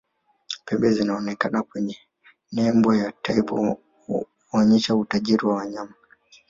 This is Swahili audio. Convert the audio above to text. pembe zinazoonekana kwenye nembo ya taifa huonesha utajiri wa wanyama